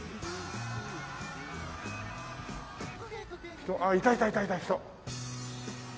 人あっいたいたいた人。